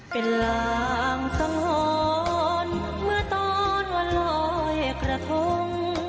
เป็นลางสังหรณ์เมื่อตอนวันลอยกระทง